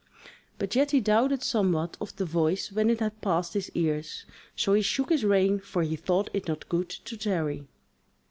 But yet he doubted somewhat of the voice when it had passed his ears, so he shook his rein, for he thought it not good to tarry.